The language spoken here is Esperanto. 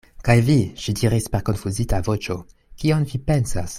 Kaj vi, ŝi diris per konfuzita voĉo, kion vi pensas?